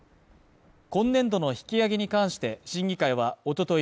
今年度の引き上げに関して審議会はおととい